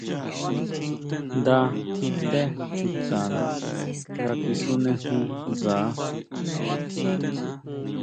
Nda kité chutana nga kisunejún ndsa.